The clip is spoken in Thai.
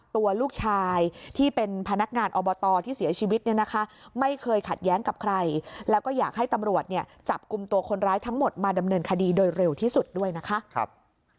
ตัวลูกชายที่เป็นพนักงานอบตที่เสียชีวิตเนี่ยนะคะไม่เคยขัดแย้งกับใครแล้วก็อยากให้ตำรวจเนี่ยจับกลุ่มตัวคนร้ายทั้งหมดมาดำเนินคดีโดยเร็วที่สุดด้วยนะคะ